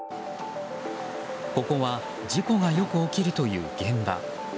ここは事故がよく起きるという現場。